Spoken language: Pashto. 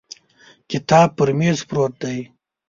کتاب پر مېز پروت دی.